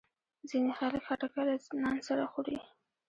ځینې خلک خټکی له نان سره خوري.